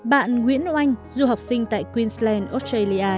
bạn nguyễn oanh du học sinh tại queensland australia